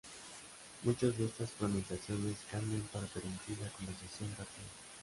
Muchas de estas pronunciaciones cambian para permitir la conversación rápida.